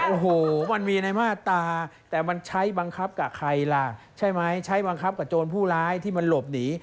โอ้โหมันมีในมาตราแต่มันใช้บังคับกับใครล่ะใช่ไหมใช้บังคับกับโจรผู้ร้ายที่มันหลบหนี